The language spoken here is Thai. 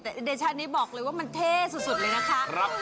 แต่เดชานี้บอกเลยว่ามันเท่สุดเลยนะคะ